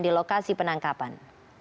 di lokasi penangkapan